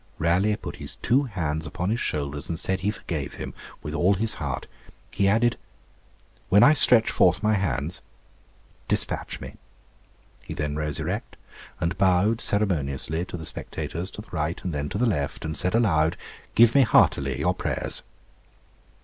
Raleigh put his two hands upon his shoulders, and said he forgave him with all his heart. He added, 'When I stretch forth my hands, despatch me.' He then rose erect, and bowed ceremoniously to the spectators to the right and then to the left, and said aloud, 'Give me heartily your prayers.'